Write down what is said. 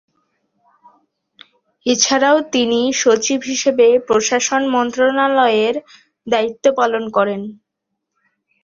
এছাড়াও, তিনি সচিব হিসেবে প্রশাসন মন্ত্রণালয়ের দায়িত্ব পালন করেন।